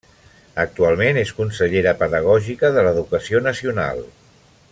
Actualment és consellera pedagògica de l’Educació nacional.